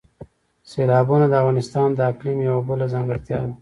سیلابونه د افغانستان د اقلیم یوه بله ځانګړتیا ده.